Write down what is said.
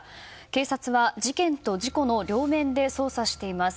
警察は、事件と事故の両面で捜査しています。